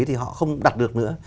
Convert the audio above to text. thì họ không đặt được nữa